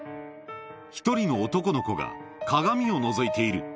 １人の男の子が鏡をのぞいている。